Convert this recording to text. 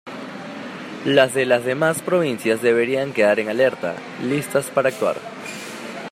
Las de las demás provincias debían quedar en alerta, listas para actuar.